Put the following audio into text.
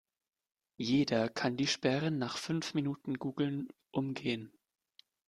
Jeder kann die Sperren nach fünf Minuten Googlen umgehen.